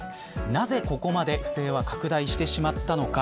なぜ、ここまで不正は拡大してしまったのか。